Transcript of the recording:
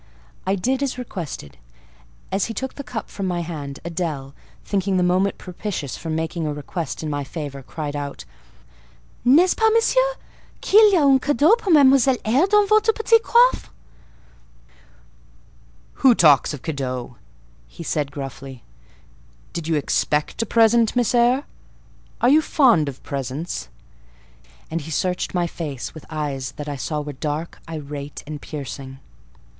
I did as requested. As he took the cup from my hand, Adèle, thinking the moment propitious for making a request in my favour, cried out— "N'est ce pas, monsieur, qu'il y a un cadeau pour Mademoiselle Eyre dans votre petit coffre?" "Who talks of cadeaux?" said he gruffly. "Did you expect a present, Miss Eyre? Are you fond of presents?" and he searched my face with eyes that I saw were dark, irate, and piercing.